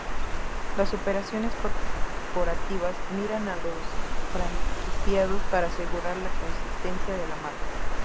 Las operaciones corporativas miran a los franquiciados para asegurar la consistencia de la marca.